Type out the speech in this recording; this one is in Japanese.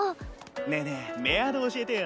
ねえねえメアド教えてよ。